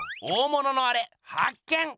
大物のアレ発見！